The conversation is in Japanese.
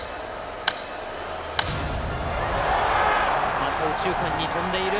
また右中間に飛んでいる。